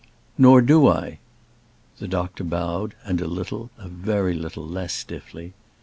"Nor do I." The doctor bowed, and a little, a very little less stiffly.